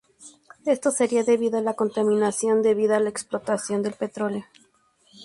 Esto sería debido a la contaminación debida a la explotación del petróleo.